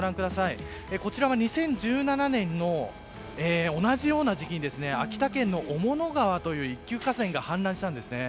こちらは２０１７年の同じような時期に秋田県の雄物川という一級河川が氾濫したんですね。